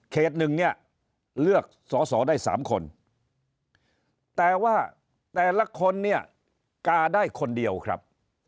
หนึ่งเนี่ยเลือกสอสอได้๓คนแต่ว่าแต่ละคนเนี่ยกาได้คนเดียวครับ